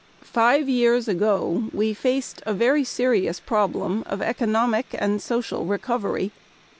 Five years ago we faced a very serious problem of economic and social recovery.